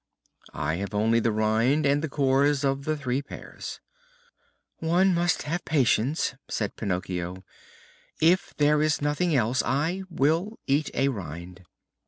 "I have only the rind and the cores of the three pears." "One must have patience!" said Pinocchio; "if there is nothing else I will eat a rind."